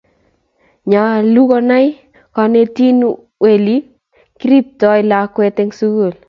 nyoluu konai konetin weli kiriptoo lakwa en sukul